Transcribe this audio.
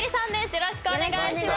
よろしくお願いします。